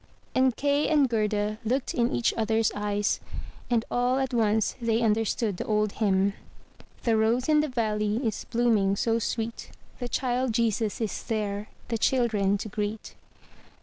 And Kay and Gerda looked in each other's eyes, and all at once they understood the old hymn: — "The rose in the valley is blooming so sweet. The Child Jesus is there the children to greet.'